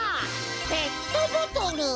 ペットボトル！